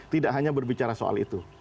tidak hanya berbicara soal itu